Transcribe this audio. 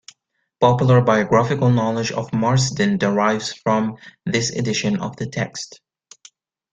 Popular biographical knowledge of Marsden derives from this edition of the text.